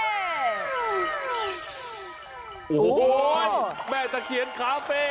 โอ้โหแม่ตะเคียนคาเฟ่